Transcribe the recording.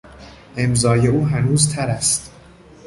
امضای او هنوز تر است.